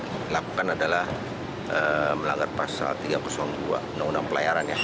yang dilakukan adalah melanggar pasal tiga ratus dua undang undang pelayaran ya